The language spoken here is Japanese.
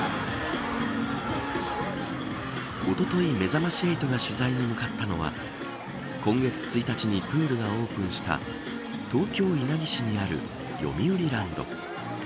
おとといめざまし８が取材に向かったのは今月１日にプールがオープンした東京、稲城市にあるよみうりランド。